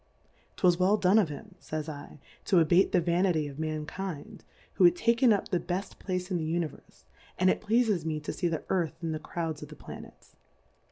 'Twas well done of him, fays 1, to abate the Vanity of Mankind, who had taken up the befb Place in the Univerfe, and it pleafes me to fee the Earth in the Crouds of the Planets.